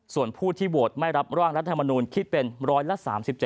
ส่วนผู้ที่โหวตไม่รับร่างรัฐมนูลคิดเป็นร้อยละ๓๗